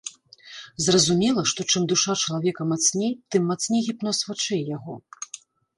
Зразумела, што чым душа чалавека мацней, тым мацней гіпноз вачэй яго.